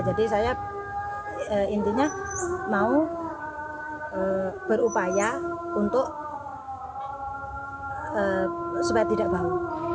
jadi saya intinya mau berupaya untuk sebaik tidak bau